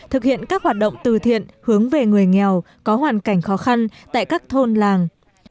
thực hiện các hoạt động từ thiện hướng về người nghèo có hoàn cảnh khó khăn tại các thôn làng